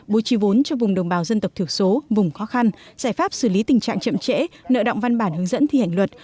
bố trì vốn cho vùng đồng bào dân tộc thiểu số vùng khó khăn giải pháp xử lý tình trạng chậm trễ nợ động văn bản hướng dẫn thi hành luật